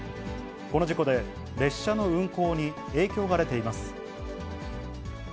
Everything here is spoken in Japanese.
この事故で、列車の運行に影響が出ています。